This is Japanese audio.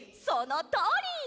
そのとおり！